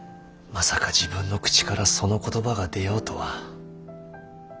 まさか自分の口からその言葉が出ようとは。